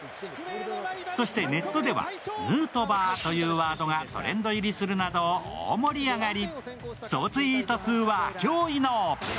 そして、ネットでは「ヌートバー」というワードがトレンド入りするなど大盛り上がり。